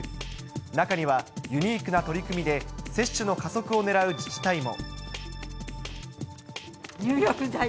中には、ユニークな取り組みで接種の加速をねらう自治体も。